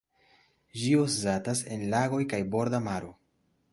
Ĝi uzatas en lagoj kaj borda maro.